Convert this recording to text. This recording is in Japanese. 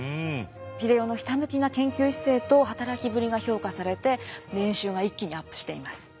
英世のひたむきな研究姿勢と働きぶりが評価されて年収が一気にアップしています。